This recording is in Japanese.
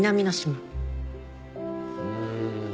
うん。